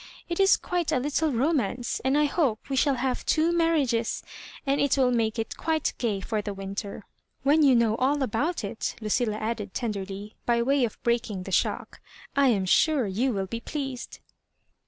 It is quite a little romance, and I hope we shall have two marriages, and it will make it quite gay for the winter. When you know all about it," Lucilla added, tenderly, by way of breaking the shock, '*I am sure you will be pleased."